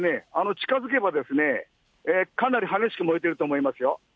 近づけば、かなり激しく燃えてると思いますよ。